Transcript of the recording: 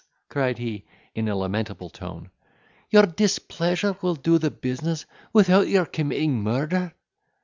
cried he, in a lamentable tone; "your displeasure will do the business, without your committing murder."